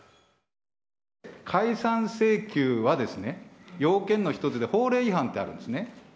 解散請求はですね、要件の一つで、法令違反ってあるんですね。